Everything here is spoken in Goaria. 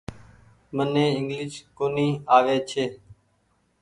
مني انگليش ڪونيٚ آوي ڇي۔